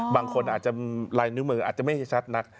บางคนอาจจะลายนิ้วมืออาจจะไม่ชัดนัก